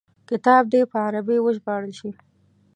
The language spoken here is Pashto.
کتاب دي په عربي وژباړل شي.